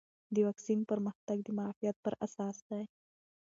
د واکسین پرمختګ د معافیت پر اساس دی.